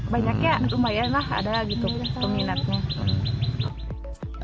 banyak ya lumayan lah ada gitu peminatnya